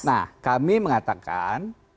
nah kami mengatakan